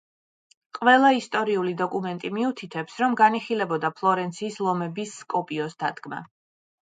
ყველა ისტორიული დოკუმენტი მიუთითებს, რომ განიხილებოდა ფლორენციის ლომების კოპიოს დადგმა.